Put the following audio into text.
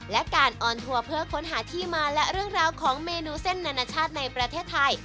และการออนทัวร์เพื่อค้นหาที่มาและเรื่องราวของเมนูเส้นนานาชาติในประเทศไทย